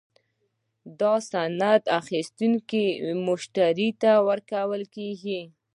دا سند یو اخیستونکي مشتري ته ورکول کیږي.